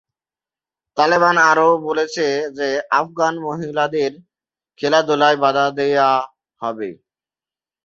তালেবান আরও বলেছে যে আফগান মহিলাদের খেলাধুলায় বাধা দেওয়া হবে।